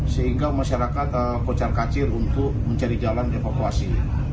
sehingga masyarakat kocar kacir untuk mencari jalan evakuasi